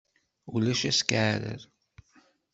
Ulac askeɛrer.